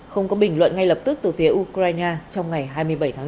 không có bình luận ngay lập tức từ phía ukraine trong ngày hai mươi bảy tháng bốn